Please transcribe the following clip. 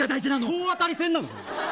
総当たり戦なの。